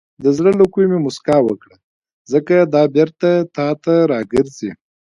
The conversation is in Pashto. • د زړه له کومې موسکا وکړه، ځکه دا بېرته تا ته راګرځي.